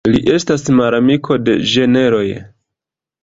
Li estas malamiko de ĝenroj.